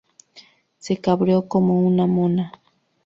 Se cabreó como una mona